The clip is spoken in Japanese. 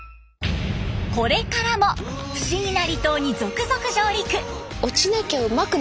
これからも不思議な離島に続々上陸！